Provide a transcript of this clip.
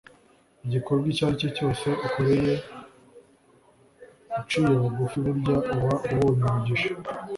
igikorwa icyo ari cyo cyose ukoreye uciye bugufi burya uba ubonye umugisha